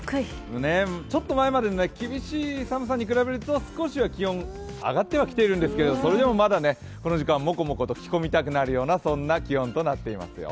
ちょっと前まで厳しい寒さに比べると少しは気温上がってはきてるんですけれどもそれでもまだこの時間モコモコと着込みたくなる、そんな状況になっています。